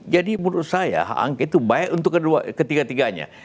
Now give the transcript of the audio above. jadi menurut saya hak angket itu baik untuk ketiga tiganya